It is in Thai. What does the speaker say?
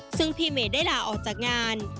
ซึ่งพี่เมย์ได้ลาออกจากงาน